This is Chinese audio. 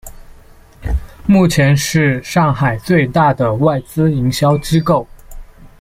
目前是上海最大的外资营销机构。